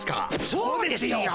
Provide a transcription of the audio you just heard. そうですよ！